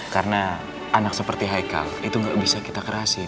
karena anak seperti haikal itu gak bisa kita kerasin